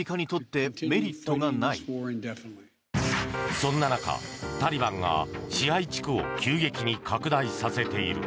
そんな中、タリバンが支配地区を急激に拡大させている。